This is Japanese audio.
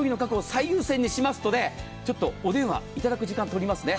最優先にしますのでお電話いただく時間を取りますね。